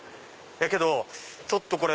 けどちょっとこれ。